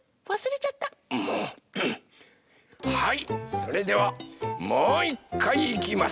それではもういっかいいきます！